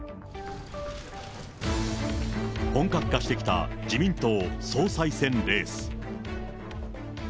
本格化してきた自民党総裁選レース。